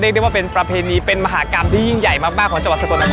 เรียกได้ว่าเป็นประเพณีเป็นมหากรรมที่ยิ่งใหญ่มากของจังหวัดสกลนครด้วยเลยนะครับ